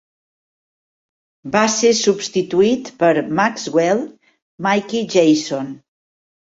Va ser substituït per Maxwell "Mackie" Jayson.